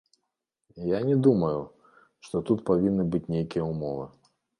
Я не думаю, што тут павінны быць нейкія ўмовы.